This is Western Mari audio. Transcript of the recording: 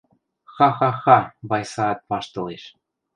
— Ха-ха-ха, — Вайсаат ваштылеш.